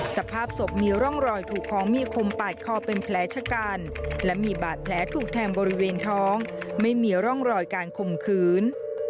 สภาพศพมีร่องรอยถูกของมีคมปาดคอเป็นแผลชะกันและมีบาดแผลถูกแทงบริเวณท้องไม่มีร่องรอยการข่มขืน